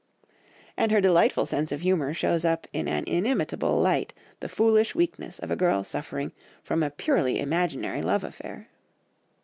And her delightful sense of humour shows up in an inimitable light the foolish weakness of a girl suffering from a purely imaginary love affair.